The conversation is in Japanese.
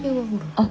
あっ。